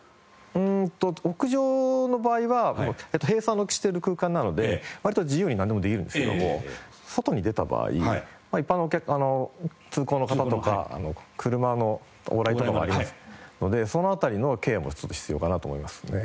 うーんと屋上の場合は閉鎖している空間なので割と自由になんでもできるんですけども外に出た場合一般の通行の方とか車の往来とかもありますのでその辺りのケアも必要かなと思いますね。